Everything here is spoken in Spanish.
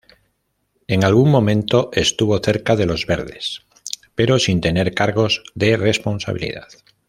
En algún momento estuvo cerca de los ""Verdes"" pero sin tener cargos de responsabilidad.